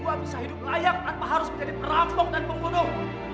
gua bisa hidup layak tanpa harus menjadi perampok dan pembunuh